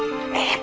eh terima kasih